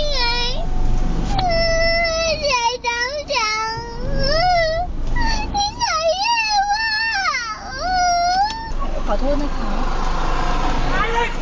อาหารชายเต๋้งทีชายเจ๋วว้าว